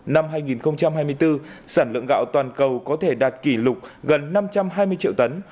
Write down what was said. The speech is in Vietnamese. năm hai nghìn hai mươi bốn sản lượng gạo toàn cầu có thể đạt kỷ lục gần năm trăm hai mươi triệu tấn